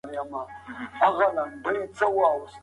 اسلام د ژوند د هرې پوښتنې ځواب لري.